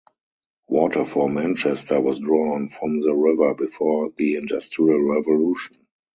Water for Manchester was drawn from the river before the Industrial Revolution.